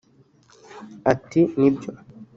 Ati “Nibyo